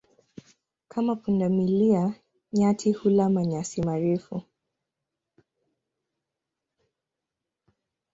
Kama punda milia, nyati hula manyasi marefu.